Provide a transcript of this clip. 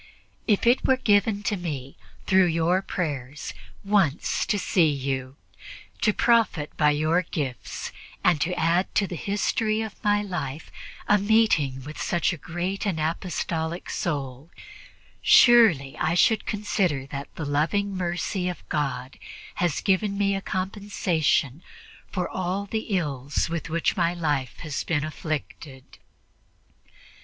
If it were given to me, through your prayers, once to see you, to profit by your gifts and to add to the history of my life a meeting with such a great and apostolic soul, surely I should consider that the loving mercy of God has given me a compensation for all the ills with which my life has been afflicted."